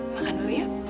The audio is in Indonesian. makan dulu yuk